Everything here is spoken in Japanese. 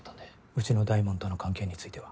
うちの大門との関係については？